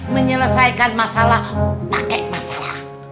menyelesaikan masalah pake masalah